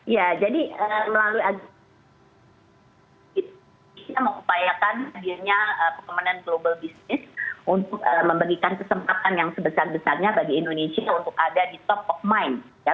ya jadi melalui agungan ini kita mengupayakan hadirnya pemenang global bisnis untuk memberikan kesempatan yang sebesar besarnya bagi indonesia untuk ada di top of mind